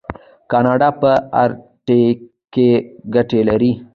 کاناډا په ارکټیک کې ګټې لري.